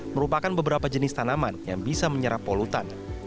merupakan beberapa jenis tanaman yang bisa menyerap polutan